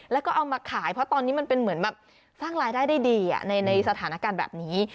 แล้วก็เอามาขายเพราะตอนนี้มันเป็นเหมือนแบบสร้างรายได้ได้ดีในสถานการณ์แบบนี้